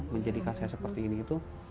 menjadikan saya seperti ini